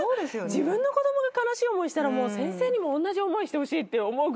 自分の子供が悲しい思いしたら先生にも同じ思いしてほしいって思うぐらい。